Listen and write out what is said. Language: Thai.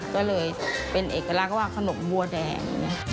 ก็เลยเป็นเอกลักษณ์ว่าขนมบัวแดง